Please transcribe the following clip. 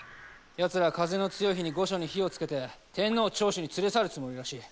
やつら風の強い日に御所に火をつけて天皇を長州に連れ去るつもりらしい。